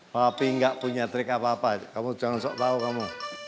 papi gak punya trik apa apa kamu jangan sok tau kamu